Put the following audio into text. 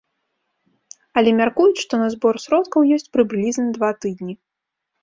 Але мяркуюць, што на збор сродкаў ёсць прыблізна два тыдні.